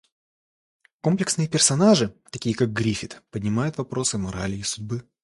Комплексные персонажи, такие как Гриффит, поднимают вопросы морали и судьбы.